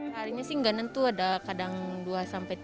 harinya sih gak nentu ada kadang dua sampai tiga